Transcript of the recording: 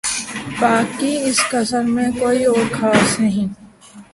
باقی اس غزل میں کوئی اور خامی نہیں۔